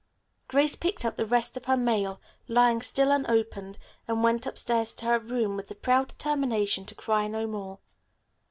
Grace picked up the rest of her mail, lying still unopened, and went upstairs to her room with the proud determination to cry no more.